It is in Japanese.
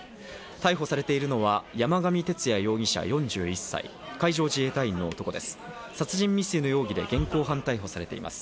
逮捕されているのは山上徹也容疑者、４１歳、海上自衛隊員の男です。